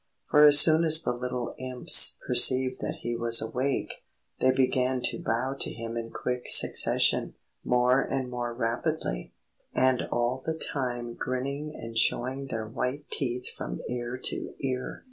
For as soon as the little Imps perceived that he was awake, they began to bow to him in quick succession, more and more rapidly, and all the time grinning and showing their white teeth from ear to ear.